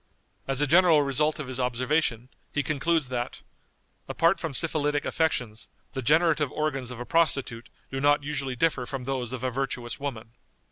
As a general result of his observations, he concludes that, "apart from syphilitic affections, the generative organs of a prostitute do not usually differ from those of a virtuous woman."